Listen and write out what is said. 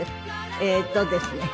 えっとですね